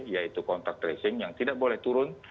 yaitu kontak tracing yang tidak boleh turun